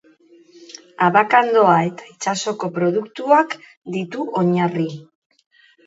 Abakandoa eta itsasoko produktuak ditu oinarri.